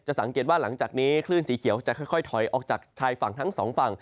สังเกตว่าหลังจากนี้คลื่นสีเขียวจะค่อยถอยออกจากชายฝั่งทั้งสองฝั่ง